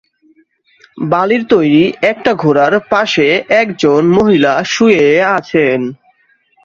বালির তৈরি একটা ঘোড়ার পাশে একজন মহিলা শুয়ে আছেন।